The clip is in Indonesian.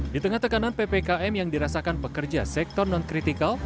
di tengah tekanan ppkm yang dirasakan pekerja sektor non kritikal